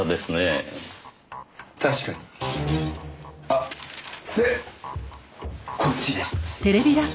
あっでこっちです。